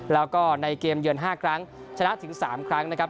แล้วก็ในเกมเยือน๕ครั้งชนะถึง๓ครั้งนะครับ